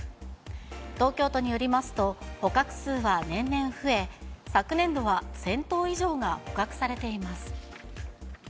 東京都によりますと、捕獲数は年々増え、昨年度は１０００頭以上が捕獲されています。